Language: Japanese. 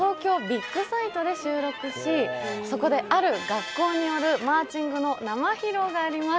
さらにですね、今回は東京ビックサイトで収録しそこである学校によるマーチングの生披露があります。